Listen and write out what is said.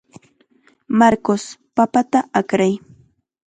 Marcos, papata akray.